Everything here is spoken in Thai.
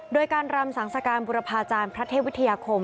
โดยการรำสังสการบุรพาจารย์พระเทพวิทยาคม